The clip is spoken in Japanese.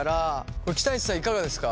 これ北西さんいかがですか？